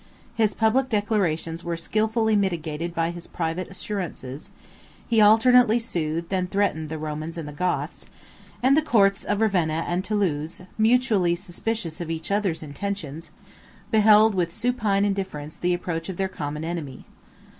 His public declarations were skilfully mitigated by his private assurances; he alternately soothed and threatened the Romans and the Goths; and the courts of Ravenna and Thoulouse, mutually suspicious of each other's intentions, beheld, with supine indifference, the approach of their common enemy.